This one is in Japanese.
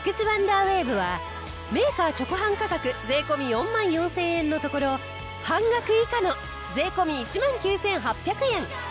ワンダーウェーブはメーカー直販価格税込４万４０００円のところ半額以下の税込１万９８００円。